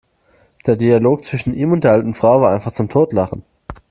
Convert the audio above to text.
Der Dialog zwischen ihm und der alten Frau war einfach zum Totlachen!